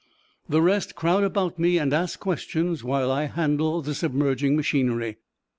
"The rest crowd about me and ask questions while I handle the submerging machinery."